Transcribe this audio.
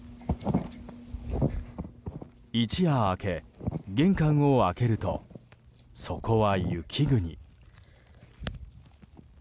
一夜明け、玄関を開けるとそこは雪国。